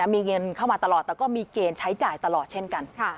มีเงินเข้ามาตลอดแต่ก็มีเกณฑ์ใช้จ่ายตลอดเช่นกัน